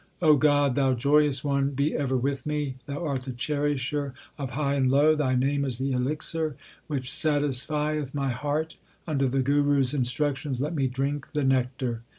O God, Thou joyous One, be ever with me. Thou art the Cherisher of high and low. Thy name is the elixir which satisfieth my heart ; under the Guru s instructions let me drink the nectar.